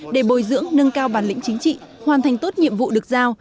để bồi dưỡng nâng cao bản lĩnh chính trị hoàn thành tốt nhiệm vụ được giao